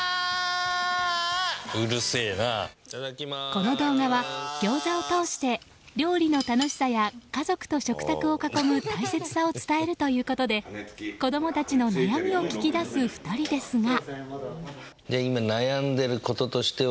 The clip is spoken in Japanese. この動画は餃子を通して料理の楽しさや家族と食卓を囲む大切さを伝えるということで子供たちの悩みを聞き出す２人ですが。